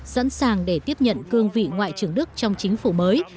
sẵn sàng để tiếp nhận cương vị ngoại trưởng đức trong chính phủ mới